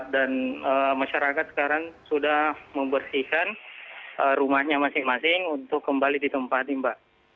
dan masyarakat sekarang sudah membersihkan rumahnya masing masing untuk kembali di tempat ini pak